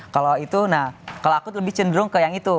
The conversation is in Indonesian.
kalau aku lebih cenderung ke yang itu